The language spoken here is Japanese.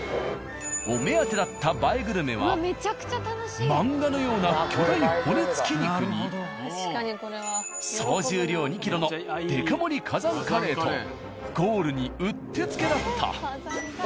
お目当てだった映えグルメは漫画のような巨大骨付き肉に総重量２ｋｇのでか盛り火山カレーとゴールにうってつけだった。